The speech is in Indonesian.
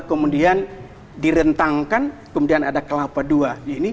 kemudian direntangkan kemudian ada kelapa dua